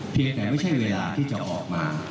แต่ไม่ใช่เวลาที่จะออกมา